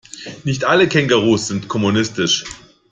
Nicht alle Kängurus sind kommunistisch.